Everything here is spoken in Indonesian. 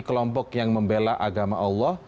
kelompok yang membela agama allah